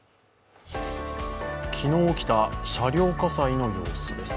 昨日起きた車両火災の様子です。